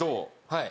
はい。